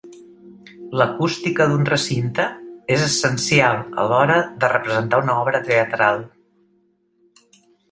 L’acústica d’un recinte és essencial a l’hora de representar una obra teatral.